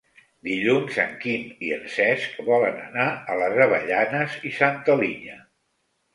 Dilluns en Quim i en Cesc volen anar a les Avellanes i Santa Linya.